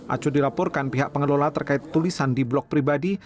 aco dilaporkan pihak pengelola terkait tulisan di blok pribadi